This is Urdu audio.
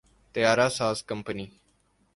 طیارہ ساز کمپنی